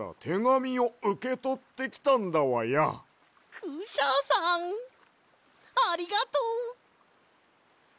クシャさんありがとう！